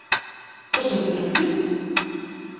Ad sen-ten-fkent?